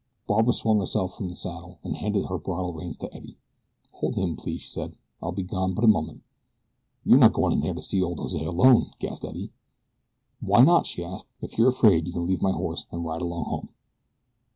Barbara swung herself from the saddle, and handed her bridle reins to Eddie. "Hold him, please," she said. "I'll be gone but a moment." "You're not goin' in there to see old Jose alone?" gasped Eddie. "Why not?" she asked. "If you're afraid you can leave my horse and ride along home."